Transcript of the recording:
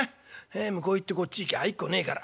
ええ向こう行ってこっち行きゃ会いっこねえから。